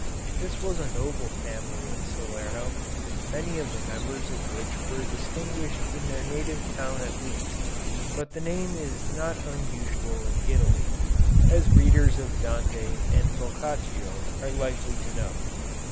This was a noble family of Salerno, many of the members of which were distinguished in their native town at least, but the name is not unusual in Italy, as readers of Dante and Boccaccio are likely to know.